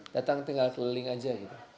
datang tinggal keliling aja gitu